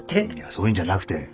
そういうんじゃなくて。